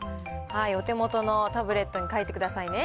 お手元のタブレットに書いてくださいね。